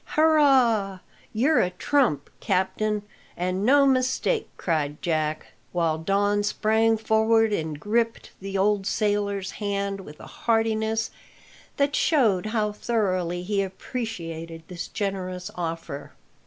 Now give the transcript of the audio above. "Hurrah! You're a trump, captain, and no mistake!" cried Jack, while Don sprang forward and gripped the old sailor's hand with a heartiness that showed how thoroughly he appreciated this generous offer.